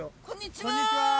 こんにちは！